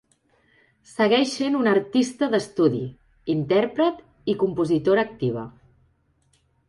Segueix sent una artista d'estudi, intèrpret i compositora activa.